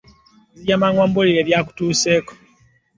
Nzija mangu ombuulire ebyakutuuseeko.